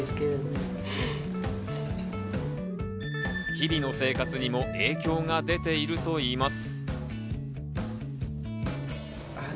日々の生活にも影響が出ているといいます。